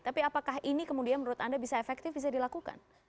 tapi apakah ini kemudian menurut anda bisa efektif bisa dilakukan